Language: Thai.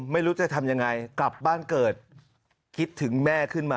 ไม่รู้จะทำยังไงกลับบ้านเกิดคิดถึงแม่ขึ้นมา